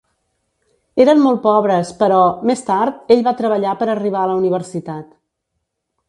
Eren molt pobres però, més tard, ell va treballar per arribar a la universitat.